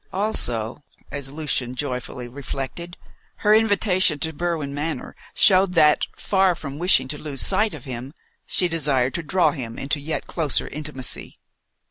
Also, as Lucian joyfully reflected, her invitation to Berwin Manor showed that, far from wishing to lose sight of him, she desired to draw him into yet closer intimacy.